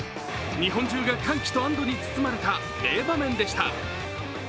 日本中が歓喜と安どに包まれた名場面でした。